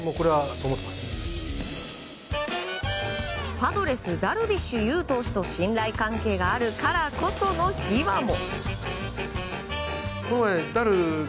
パドレスダルビッシュ有投手と信頼関係があるからこその秘話も。